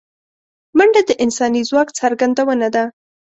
منډه د انساني ځواک څرګندونه ده